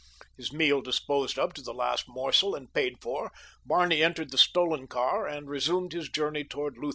His meal disposed of to the last morsel, and paid for, Barney entered the stolen car and resumed his journey toward Lutha.